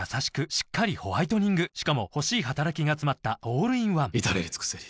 しっかりホワイトニングしかも欲しい働きがつまったオールインワン至れり尽せり